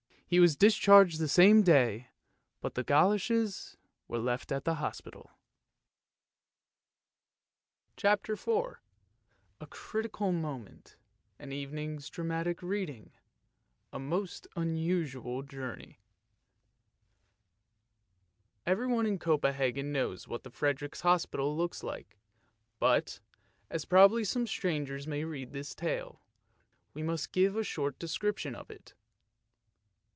He was discharged the same day, but the goloshes were left at the hospital. CHAPTER IV A CRITICAL MOMENT — AN EVENING'S DRAMATIC READING — A MOST UNUSUAL JOURNEY Everyone in Copenhagan knows what the Frederik's Hospital looks like, but, as probably some strangers may read this tale, we must give a short description of it.